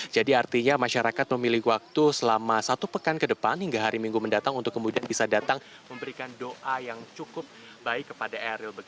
artinya masyarakat memilih waktu selama satu pekan ke depan hingga hari minggu mendatang untuk kemudian bisa datang memberikan doa yang cukup baik kepada eril